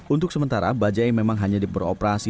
untuk sementara bajaj memang hanya diperoperasi